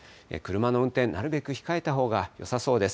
車の運転、なるべく控えたほうがよさそうです。